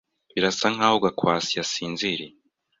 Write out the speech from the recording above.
Birasa nkaho Gakwasi yasinziriye.